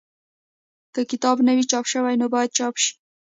که کتاب نه وي چاپ شوی نو باید چاپ شي.